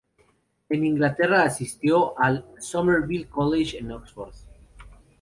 En Inglaterra asistió al Somerville College en Oxford.